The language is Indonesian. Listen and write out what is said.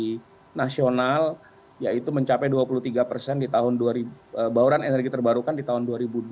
di nasional yaitu mencapai dua puluh tiga persen di tahun bauran energi terbarukan di tahun dua ribu dua puluh